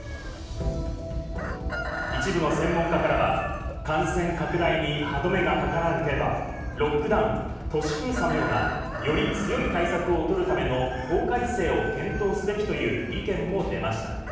一部の専門家からは、感染拡大に歯止めがかからなければ、ロックダウン・都市封鎖のようなより強い対策を取るための法改正を検討すべきという意見も出ました。